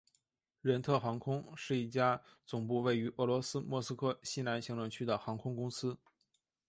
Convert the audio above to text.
任特航空曾是一家总部位于俄罗斯莫斯科西南行政区的航空公司。